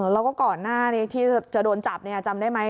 แล้วก็ก่อนหน้านี้ที่จะโดนจับจำได้ไหม